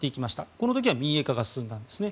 この時は民営化が進んだんですね。